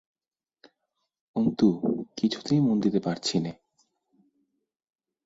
অন্তু, কিছুতেই মন দিতে পারছি নে।